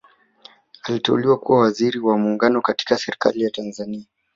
aliteuliwa kuwa waziri wa muungano katika serikali ya tanzania